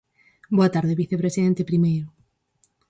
Boa tarde, vicepresidente primeiro.